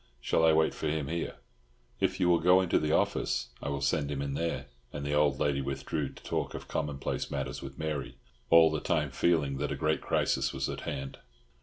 Shall I wait for him here?" "If you will go into the office I will send him in there," and the old lady withdrew to talk of commonplace matters with Mary, all the time feeling that a great crisis was at hand.